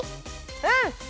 うん！